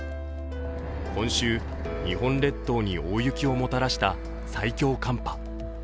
今週、日本列島に大雪をもたらした最強寒波。